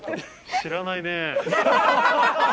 知らないねえ。